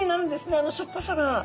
あのしょっぱさが。